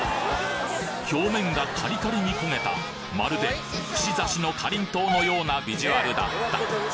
表面がカリカリに焦げたまるで串刺しのかりんとうのようなビジュアルだった